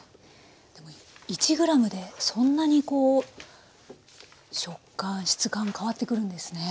でも１ｇでそんなにこう食感質感変わってくるんですね。